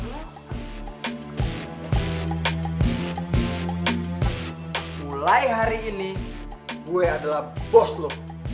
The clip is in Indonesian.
mulai hari ini gue adalah bos loh